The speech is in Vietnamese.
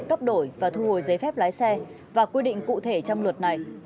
cấp đổi và thu hồi giấy phép lái xe và quy định cụ thể trong luật này